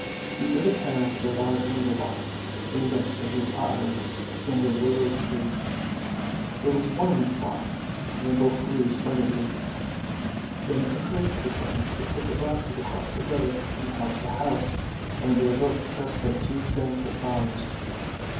Each of the parents had a large window box, in which they grew pot herbs and a little rose tree. There was one in each box, and they both grew splendidly. Then it occurred to the parents to put the boxes across the gutter, from house to house, and they looked just like two banks of flowers.